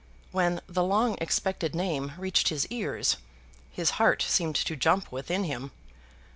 When the long expected name reached his ears, his heart seemed to jump within him.